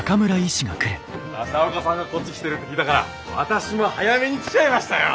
朝岡さんがこっち来てるって聞いたから私も早めに来ちゃいましたよ！